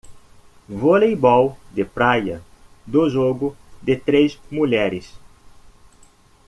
Voleibol de praia do jogo de três mulheres.